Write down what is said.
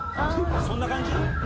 そんな感じ？